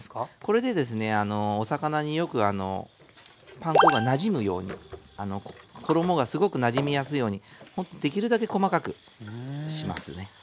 これでですねお魚によくパン粉がなじむように衣がすごくなじみやすいようにできるだけ細かくしますね。